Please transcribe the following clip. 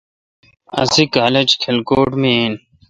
اسی کالج کھلکوٹ می این